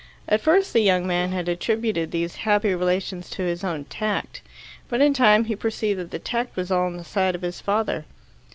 At first the young man had attributed these happy relations to his own tact. But in time he perceived that the tact was all on the side of his father.